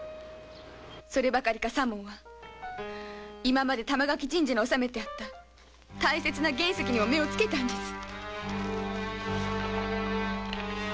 そればかりか左門は玉垣神社に納めてあった大切な原石にも目をつけたんです。